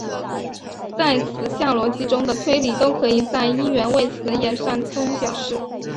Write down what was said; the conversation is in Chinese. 在词项逻辑中的推理都可以在一元谓词演算中表示。